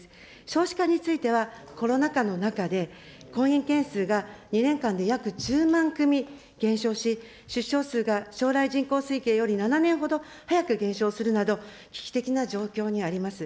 少子化については、コロナ禍の中で婚姻件数が２年間で約１０万組減少し、出生数が将来人口推計より７年ほど早く減少するなど、危機的な状況にあります。